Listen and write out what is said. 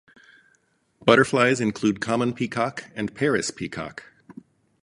Butterflies include common peacock and Paris peacock.